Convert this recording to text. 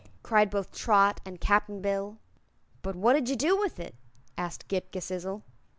cried both Trot and Cap'n Bill. "But what did you do with it?" asked Ghip Ghisizzle.